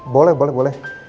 boleh boleh boleh